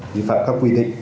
vi phạm các quy định